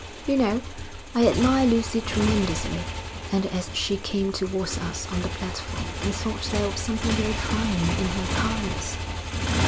You know, I admire Lucy tremendously, and as she came towards us on the platform I thought there was something very fine in her calmness.'